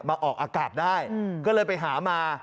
ออกอากาศได้ก็เลยไปหามา